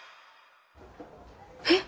えっ！